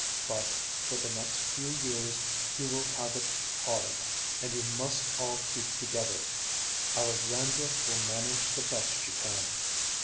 But for the next few years you will have it hard, and you must all keep together. Alexandra will manage the best she can."